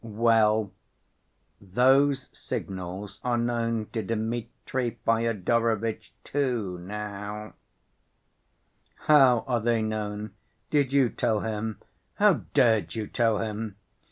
Well, those signals are known to Dmitri Fyodorovitch too, now." "How are they known? Did you tell him? How dared you tell him?"